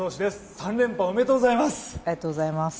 ３連覇、おめでとうございます。